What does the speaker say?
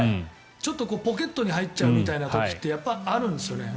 ちょっとポケットに入っちゃうみたいな時ってやっぱりあるんですよね。